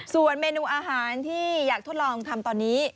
ส่วนเมนูอาหารที่อยากทดลองทำตอนนี้